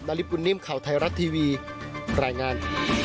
นาริปุ่นนิ่มข่าวไทยรัตน์ทีวีแรงงาน